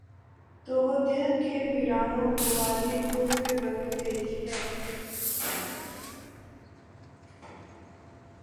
تو وہ دل کے ویرانوں کو وادیٔ گل میں بدل دیتی ہے۔